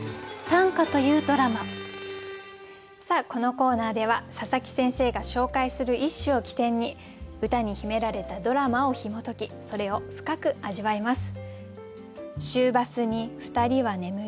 このコーナーでは佐佐木先生が紹介する一首を起点に歌に秘められたドラマをひも解きそれを深く味わいます。